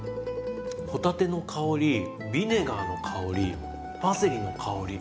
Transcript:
帆立ての香りビネガーの香りパセリの香り